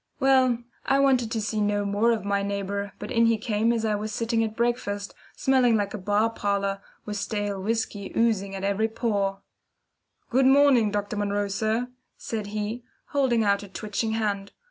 Well, I wanted to see no more of my neighbour, but in he came as I was sitting at breakfast, smelling like a bar parlour, with stale whisky oozing at every pore. "Good morning, Dr. Munro, sir," said he, holding out a twitching hand.